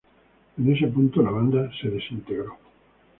En este punto la banda se desintegró.